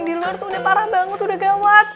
di luar tuh udah parah banget udah gawat